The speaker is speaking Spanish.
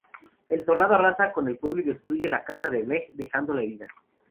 El tornado arrasa con el pueblo y destruye la casa de Meg, dejándola herida.